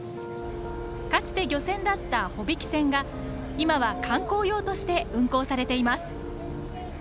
かつて漁船だった帆引き船が今は観光用として運航されています。